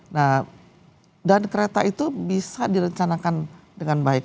nah dan kereta itu bisa direncanakan dengan baik